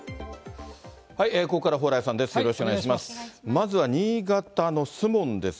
ここからは蓬莱さんです。